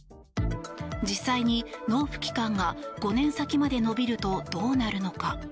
実際に納付期間が５年先まで延びるとどうなるのか。